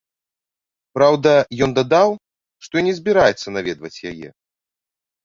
Праўда, ён дадаў, што і не збіраецца наведваць яе.